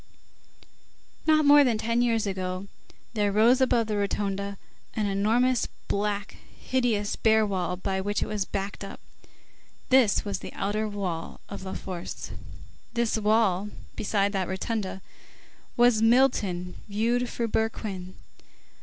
Not more than ten years ago, there rose above that rotunda an enormous black, hideous, bare wall by which it was backed up. This was the outer wall of La Force. This wall, beside that rotunda, was Milton viewed through Berquin.